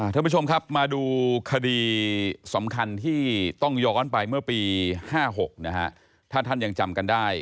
ท่านผู้ชมครับมาดูคดีสำคัญที่ต้องย้อนไปเมื่อปี๕๖นะฮะถ้าท่านยังจำกันได้